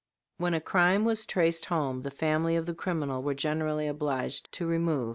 When a crime was traced home, the family of the criminal were generally obliged to remove.